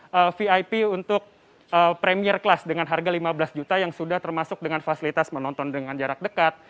ada vip untuk premier class dengan harga lima belas juta yang sudah termasuk dengan fasilitas menonton dengan jarak dekat